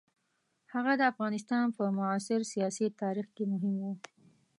هغه د افغانستان په معاصر سیاسي تاریخ کې مهم وو.